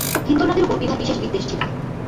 হিন্দোল রাগের উপর বিভার বিশেষ বিদ্বেষ ছিল।